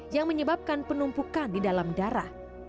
yang menyebabkan penumpukan di dalam darah